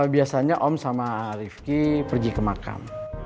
biasanya om sama rifki pergi ke makam